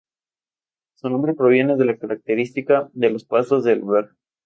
Su nombre proviene de la característica de los pastos del lugar.